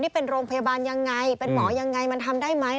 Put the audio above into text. นี่เป็นโรงพยาบาลยังไงเป็นหมอยังไงมันทำได้ไหม